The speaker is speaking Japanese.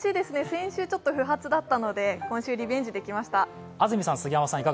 先週、不発だったので今週リベンジできました。